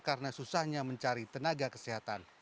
karena susahnya mencari tenaga kesehatan